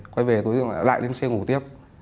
quay về đối tượng lại lên xe ngủ tiếp